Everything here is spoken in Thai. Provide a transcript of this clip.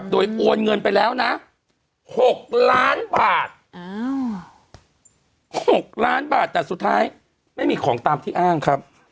โดยโอนเงินไปแล้วนะ๖ล้านบาท๖ล้านบาทแต่สุดท้ายไม่มีของตามที่อ้างครับ